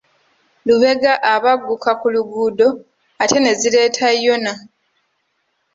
Lubega aba agguka ku luguudo ate ne zireeta Yona.